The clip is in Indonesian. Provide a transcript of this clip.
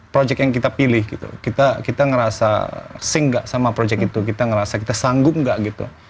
proyek yang kita pilih gitu kita ngerasa sing gak sama project itu kita ngerasa kita sanggup gak gitu